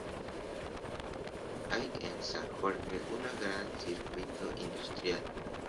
Hay en San Jorge un gran circuito industrial.